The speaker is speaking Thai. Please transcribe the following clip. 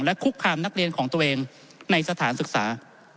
คุกคามนักเรียนของตัวเองในสถานศึกษา